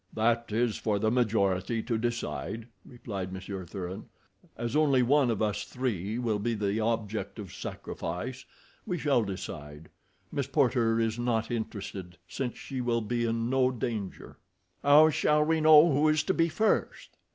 "That is for the majority to decide," replied Monsieur Thuran. "As only one of us three will be the object of sacrifice, we shall decide. Miss Porter is not interested, since she will be in no danger." "How shall we know who is to be first?"